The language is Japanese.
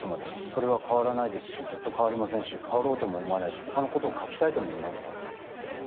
それは変わらないですしずっと変わりませんし変わろうとも思わないし他の事を書きたいとも思いません。